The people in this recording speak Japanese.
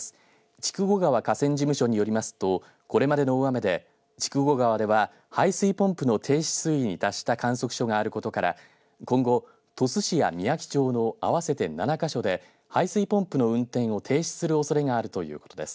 筑後川河川事務所によりますとこれまでの大雨で筑後川では排水ポンプの停止水位に達した観測所があることから今後、鳥栖市やみやき町の合わせて７か所で排水ポンプの運転を停止するおそれがあるということです。